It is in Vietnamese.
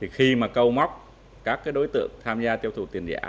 khi mà câu móc các đối tượng tham gia tiêu thụ tiền giả